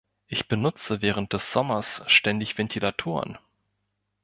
Ich benutze während des Sommers ständig Ventilatoren.